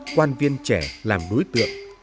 quan viên trẻ làm đối tượng